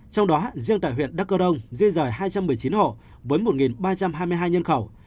trong đó riêng tại huyện đắk cơ đông di rời hai trăm một mươi chín hộ với một ba trăm hai mươi hai nhân khẩu